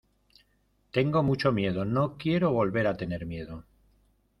tengo mucho miedo. no quiero volver a tener miedo .